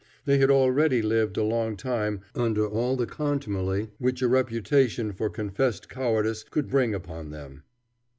They had already lived a long time under all the contumely which a reputation for confessed cowardice could bring upon them.